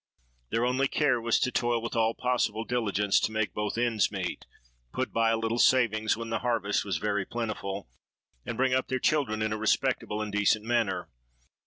Their only care was to toil with all possible diligence, to make both ends meet,—put by a little savings, when the harvest was very plentiful,—and bring up their children in a respectable and decent manner.